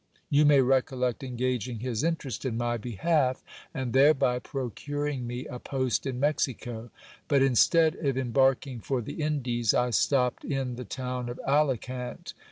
You may recollect engaging his interest in my behalf, and thereby procuring me a post in Mexico ; but instead of embark ing for the Indies, I stopped in the town of Alicant.